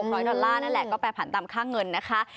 ร้อยดอลลาร์นั่นแหละก็แปรผันตามค่าเงินนะคะ